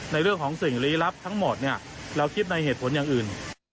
ในเรื่องของสิ่งลี้ลับทั้งหมดเนี่ยเราคิดในเหตุผลอย่างอื่น